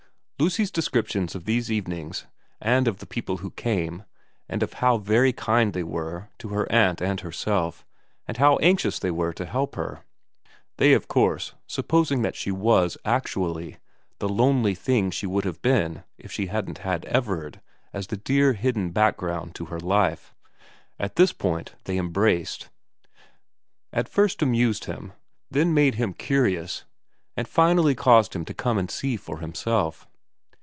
Lucy's descriptions of these evenings and of the people who came, and of how very kind they were to her aunt and herself, and how anxious they were to help her, they of course supposing that she was, actually, the lonely thing she would have been if she hadn't had Everard as the dear hidden background to her life at this point they embraced, at first amused him, then made him curious, and finally caused him to come and see for himself.